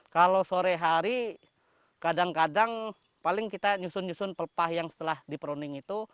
kalau sore hari kadang kadang paling kita nyusun nyusun pelepah yang setelah diperunding itu